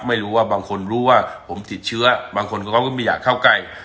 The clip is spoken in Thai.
ไม่รู้ว่าบางคนรู้ว่าผมติดเชื้อบางคนเขาก็ไม่อยากเข้าใกล้